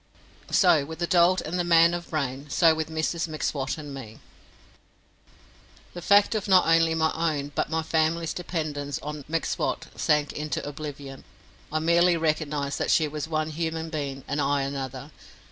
So with the dolt and the man of brain, so with Mrs M'Swat and me. The fact of not only my own but my family's dependence on M'Swat sank into oblivion. I merely recognized that she was one human being and I another.